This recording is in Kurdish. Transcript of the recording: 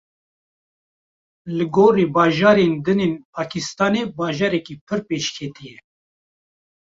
Li gorî bajarên din ên Pakistanê bajarekî pir pêşketî ye.